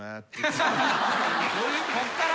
こっから。